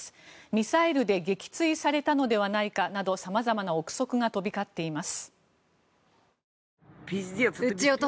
ミサイルで撃墜されたのではないかなどさまざまな憶測が飛び交っています。